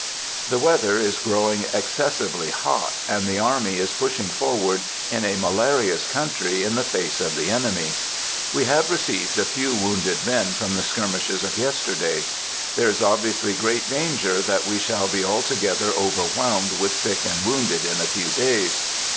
The weather is growing excessively hot, and the army is pushing forward in a malarious country in the face of the enemy. We have received a few wounded men from the skirmishes of yesterday. There is obviously great danger that we shall be altogether overwhelmed with sick and wounded in a few days.